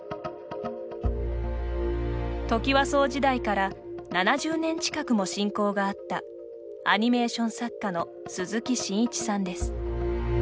トキワ荘時代から７０年近くも親交があったアニメーション作家の鈴木伸一さんです。